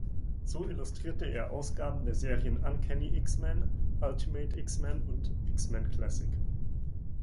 So illustrierte er Ausgaben der Serien "Uncanny X-Men", "Ultimate X-Men" und "X-Men Classic".